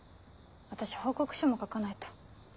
私報告書も書かないと。